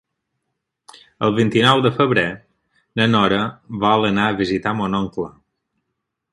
El vint-i-nou de febrer na Nora vol anar a visitar mon oncle.